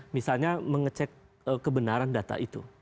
misalnya mengecek kebenaran data itu